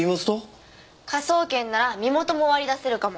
科捜研なら身元も割り出せるかも。